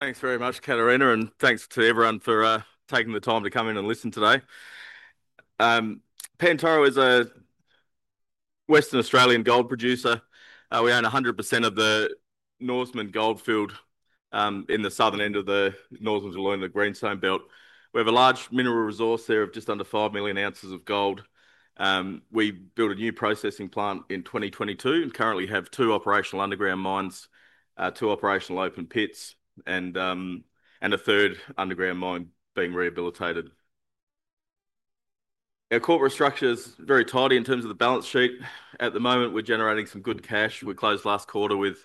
Thanks very much, Katerina, and thanks to everyone for taking the time to come in and listen today. Pantoro is a Western Australian gold producer. We own 100% of the Norseman Goldfield in the southern end of the Norseman-Wiluna Greenstone Belt. We have a large mineral resource there of just under 5 million ounces of gold. We built a new processing plant in 2022 and currently have two operational underground mines, two operational open pits, and a third underground mine being rehabilitated. Our corporate structure is very tidy in terms of the balance sheet. At the moment, we're generating some good cash. We closed last quarter with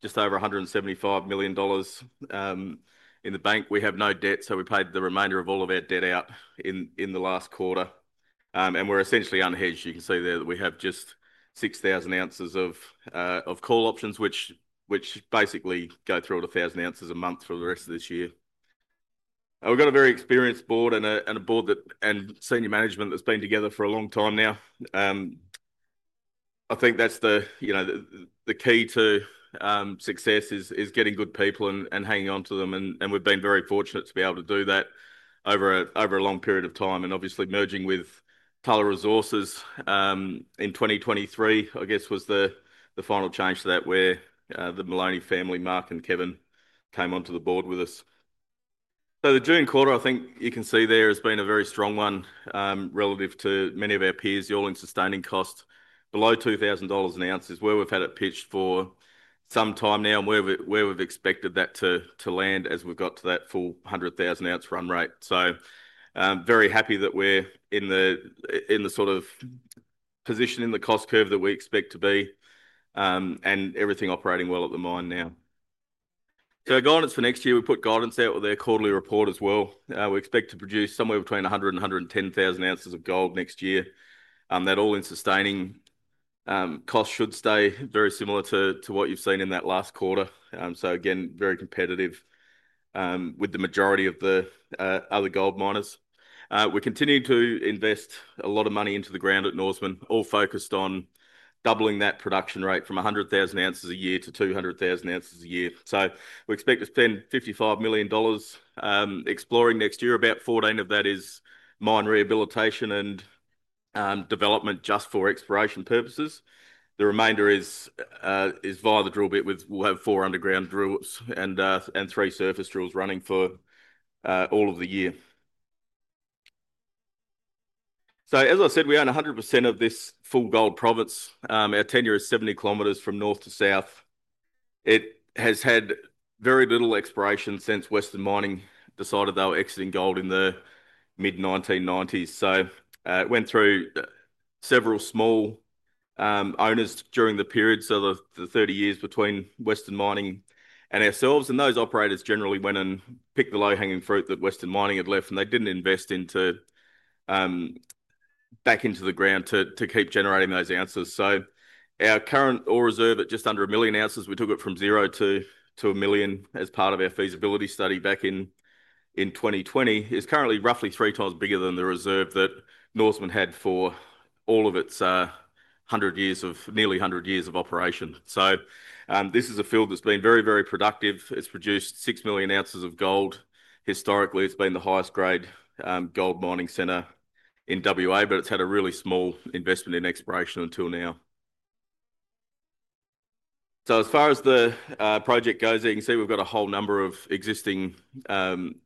just over $175 million in the bank. We have no debt, so we paid the remainder of all of our debt out in the last quarter. We're essentially unhedged. You can see there that we have just 6,000 ounces of call options, which basically go through to 1,000 ounces a month for the rest of this year. We've got a very experienced board and a board and senior management that's been together for a long time now. I think that's the key to success is getting good people and hanging on to them. We've been very fortunate to be able to do that over a long period of time. Obviously, merging with Tulla Resources in 2023, I guess, was the final change to that where the Maloney family, Mark and Kevin, came onto the board with us. The June quarter, I think you can see there has been a very strong one relative to many of our peers. Your all-in sustaining costs below $2,000 an ounce is where we've had it pitched for some time now and where we've expected that to land as we've got to that full 100,000 ounce run rate. I'm very happy that we're in the sort of position in the cost curve that we expect to be and everything operating well at the mine now. Going on for next year, we put guidance out with their quarterly report as well. We expect to produce somewhere between 100,000 and 110,000 ounces of gold next year. That all-in sustaining costs should stay very similar to what you've seen in that last quarter. Again, very competitive with the majority of the other gold miners. We continue to invest a lot of money into the ground at Norseman, all focused on doubling that production rate from 100,000 ounces a year to 200,000 ounces a year. We expect to spend $55 million exploring next year. About 4/9 of that is mine rehabilitation and development just for exploration purposes. The remainder is via the drill bit. We'll have four underground drills and three surface drills running for all of the year. As I said, we own 100% of this full Gold province. Our tenure is 70 km from north to south. It has had very little exploration since Western Mining decided they were exiting gold in the mid-1990s. It went through several small owners during the period, so the 30 years between Western Mining and ourselves. Those operators generally went and picked the low-hanging fruit that Western Mining had left, and they didn't invest back into the ground to keep generating those ounces. Our current ore reserve at just under a million ounces, we took it from zero to a million as part of our feasibility study back in 2020, is currently roughly three times bigger than the reserve that Norseman had for all of its nearly 100 years of operation. This is a field that's been very, very productive. It's produced 6 million ounces of gold. Historically, it's been the highest grade gold mining center in Western Australia, but it's had a really small investment in exploration until now. As far as the project goes, you can see we've got a whole number of existing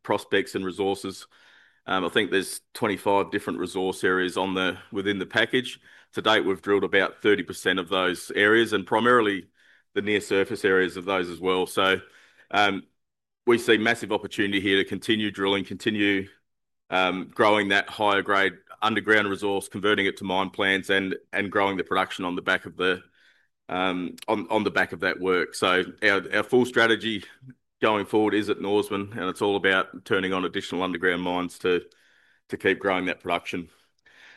prospects and resources. I think there's 25 different resource areas within the package. To date, we've drilled about 30% of those areas and primarily the near surface areas of those as well. We see massive opportunity here to continue drilling, continue growing that higher grade underground resource, converting it to mine plans, and growing the production on the back of that work. Our full strategy going forward is at Norseman, and it's all about turning on additional underground mines to keep growing that production.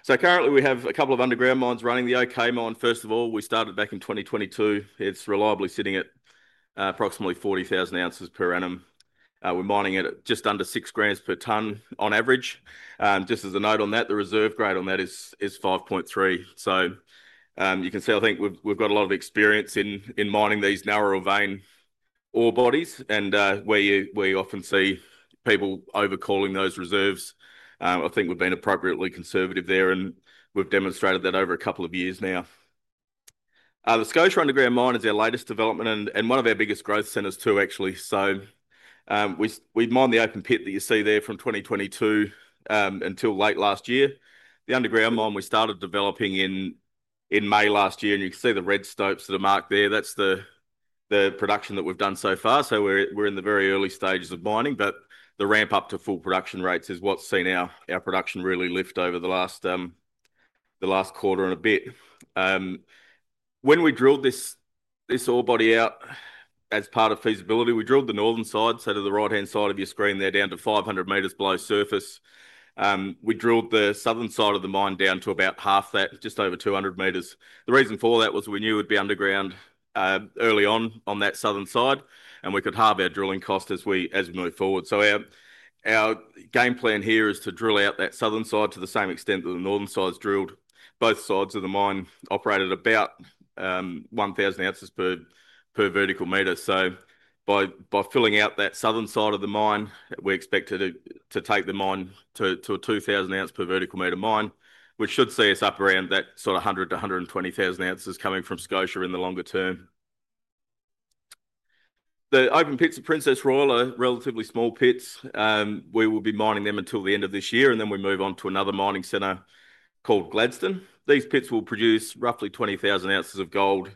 Currently, we have a couple of underground mines running. The OK mine, first of all, we started back in 2022. It's reliably sitting at approximately 40,000 ounces per annum. We're mining it at just under six grams per ton on average. Just as a note on that, the reserve grade on that is 5.3. You can see, I think we've got a lot of experience in mining these narrower vein ore bodies and where you often see people overcalling those reserves. I think we've been appropriately conservative there, and we've demonstrated that over a couple of years now. The Scotia underground mine is our latest development and one of our biggest growth centers too, actually. We mined the open pit that you see there from 2022 until late last year. The underground mine we started developing in May last year, and you can see the red stopes that are marked there. That's the production that we've done so far. We're in the very early stages of mining, but the ramp up to full production rates is what's seen our production really lift over the last quarter and a bit. When we drilled this ore body out as part of feasibility, we drilled the northern side, so to the right-hand side of your screen there, down to 500 meters below surface. We drilled the southern side of the mine down to about half that, just over 200 meters. The reason for that was we knew it would be underground early on that southern side, and we could halve our drilling cost as we move forward. Our game plan here is to drill out that southern side to the same extent that the northern side's drilled. Both sides of the mine operated about 1,000 ounces per vertical meter. By filling out that southern side of the mine, we expect to take the mine to a 2,000 ounce per vertical meter mine, which should see us up around that sort of 100,000-120,000 ounces coming from Scotia in the longer term. The open pits at Princess Royal are relatively small pits. We will be mining them until the end of this year, and then we move on to another mining center called Gladstone. These pits will produce roughly 20,000 ounces of gold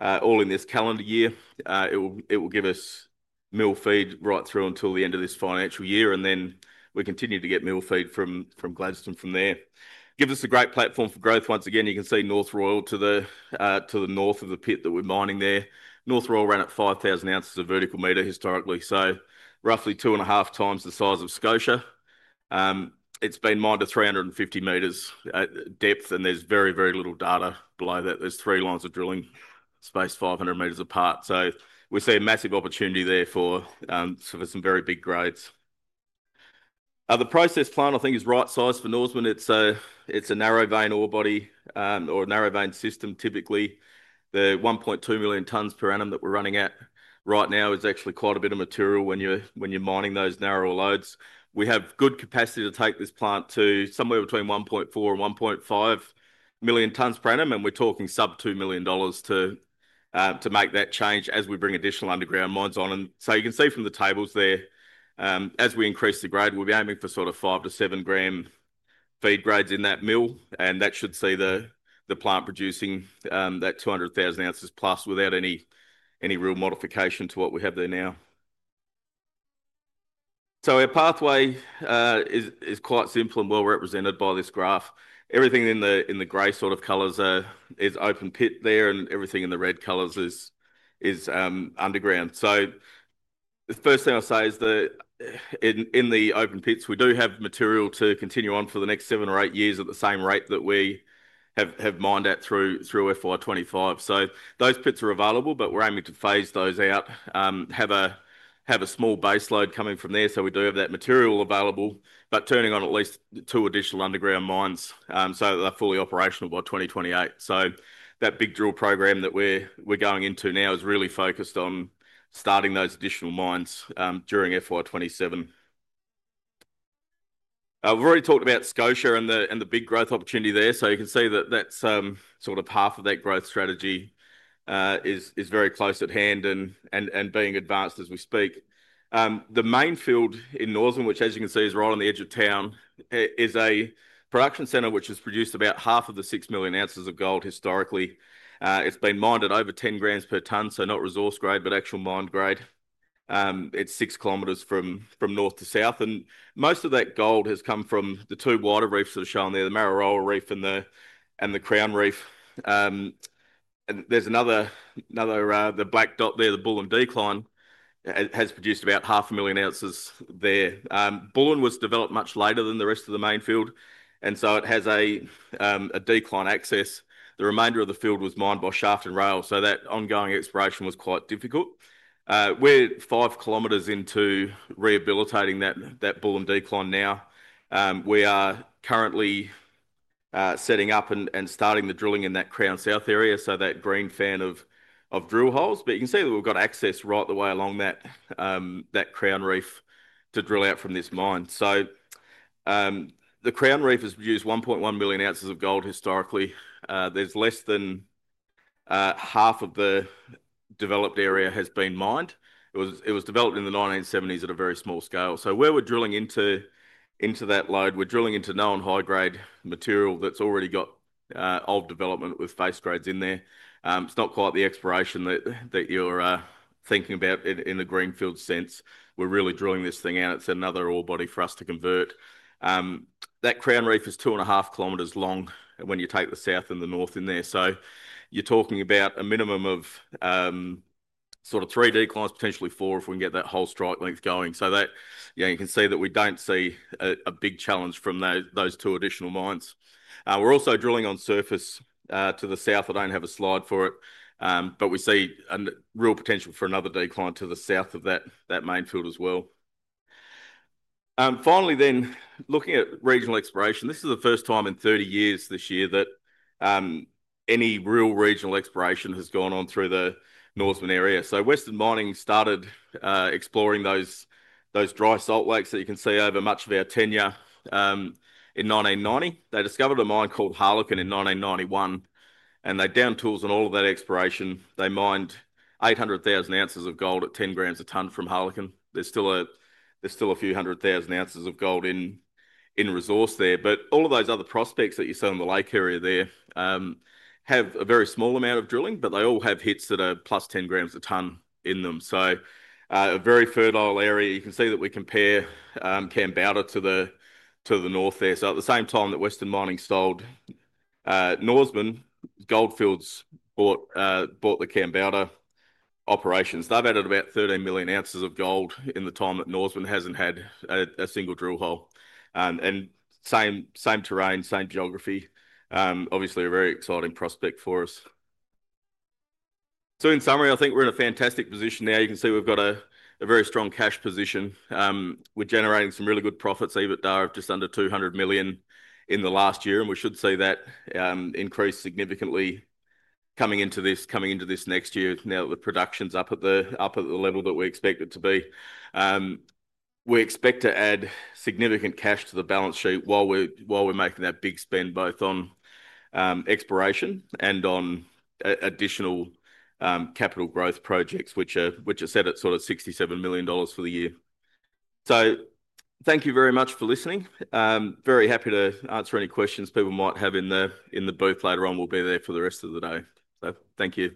all in this calendar year. It will give us mill feed right through until the end of this financial year, and then we continue to get mill feed from Gladstone from there. It gives us a great platform for growth. Once again, you can see North Royal to the north of the pit that we're mining there. North Royal ran at 5,000 ounces per vertical meter historically, so roughly two and a half times the size of Scotia. It's been mined to 350 meters depth, and there's very, very little data below that. There are three lines of drilling spaced 500 meters apart. We see a massive opportunity there for some very big grades. The processing plant, I think, is right-sized for Norseman. It's a narrow vein ore body or a narrow vein system. Typically, the 1.2 million tons per annum that we're running at right now is actually quite a bit of material when you're mining those narrower lodes. We have good capacity to take this plant to somewhere between 1.4million-1.5 million tons per annum, and we're talking sub $2 million to make that change as we bring additional underground mines on. You can see from the tables there, as we increase the grade, we'll be aiming for sort of five-seven gram feed grades in that mill, and that should see the plant producing that 200,000 ounces plus without any real modification to what we have there now. Our pathway is quite simple and well represented by this graph. Everything in the gray sort of colors is open pit there, and everything in the red colors is underground. The first thing I'll say is that in the open pits, we do have material to continue on for the next seven or eight years at the same rate that we have mined out through FY2025. Those pits are available, but we're aiming to phase those out, have a small base load coming from there. We do have that material available, but turning on at least two additional underground mines so that they're fully operational by 2028. That big drill program that we're going into now is really focused on starting those additional mines during FY2027. We've already talked about Scotia and the big growth opportunity there. You can see that that's sort of a path of that growth strategy is very close at hand and being advanced as we speak. The main field in Northland, which as you can see is right on the edge of town, is a production center which has produced about half of the 6 million ounces of gold historically. It's been mined at over 10 grams per ton, so not resource grade, but actual mined grade. It's 6 km from north to south. Most of that gold has come from the two wider reefs that are shown there, the Marrow Rower Reef and the Crown Reef. There's another, the black dot there, the Bullion Decline, has produced about half a million ounces there. Bullion was developed much later than the rest of the main field, and it has a decline access. The remainder of the field was mined by shaft and rail, so that ongoing exploration was quite difficult. We're 5 km into rehabilitating that Bullion Decline now. We are currently setting up and starting the drilling in that Crown South area, so that green fan of drill holes. You can see that we've got access right the way along that Crown Reef to drill out from this mine. The Crown Reef has produced 1.1 million ounces of gold historically. There's less than half of the developed area that has been mined. It was developed in the 1970s at a very small scale. Where we're drilling into that lode, we're drilling into known high-grade material that's already got old development with face grades in there. It's not quite the exploration that you're thinking about in the greenfield sense. We're really drilling this thing out. It's another ore body for us to convert. That Crown Reef is 2.5 km long when you take the south and the north in there. You're talking about a minimum of sort of three declines, potentially four if we can get that whole strike length going. You can see that we don't see a big challenge from those two additional mines. We're also drilling on surface to the south. I don't have a slide for it, but we see a real potential for another decline to the south of that main field as well. Finally, looking at regional exploration, this is the first time in 30 years this year that any real regional exploration has gone on through the Norseman area. Western Mining started exploring those dry salt lakes that you can see over much of our tenure in 1990. They discovered a mine called Harlequin in 1991, and they downed tools in all of that exploration. They mined 800,000 ounces of gold at 10 grams a ton from Harlequin. There's still a few hundred thousand ounces of gold in resource there. All of those other prospects that you saw in the lake area there have a very small amount of drilling, but they all have hits that are plus 10 grams a ton in them. A very fertile area. You can see that we compare Kambalda to the north there. At the same time that Western Mining stalled, Norseman Goldfield bought the Kambalda operations. They've added about 13 million ounces of gold in the time that Norseman hasn't had a single drill hole. Same terrain, same geography, obviously a very exciting prospect for us. In summary, I think we're in a fantastic position now. You can see we've got a very strong cash position. We're generating some really good profits, EBITDA of just under $200 million in the last year. We should see that increase significantly coming into this next year now that the production's up at the level that we expect it to be. We expect to add significant cash to the balance sheet while we're making that big spend both on exploration and on additional capital growth projects, which are set at sort of $67 million for the year. Thank you very much for listening. Very happy to answer any questions people might have in the booth later on. Thank you. We'll be there for the rest of the day.